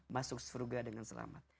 masuk surga dengan selamat